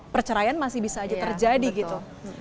perceraian masih bisa aja terjadi gitu